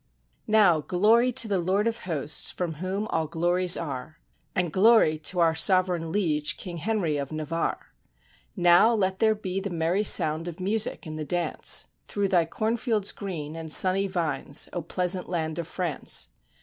] Now glory to the Lord of Hosts, from whom all glories are I And glory to our Sovereign Liege, King Henry of Na varre ! Now let there be the merry sound of music and the dance, Through thy cornfields green, and sunny vines, oh pleas ant land of France!